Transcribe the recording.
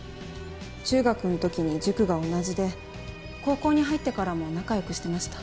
中学の時に塾が同じで高校に入ってからも仲良くしてました。